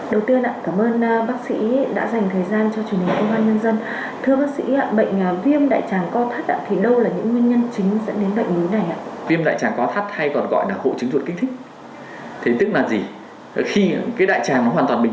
đầu tiên cảm ơn bác sĩ đã dành thời gian cho chương trình ủng hộ nhân dân